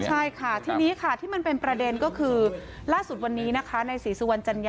ใช่ค่ะทีนี้ค่ะที่มันเป็นประเด็นก็คือล่าสุดวันนี้นะคะในศรีสุวรรณจัญญา